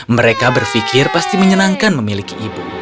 mereka berpikir pasti menyenangkan memiliki ibu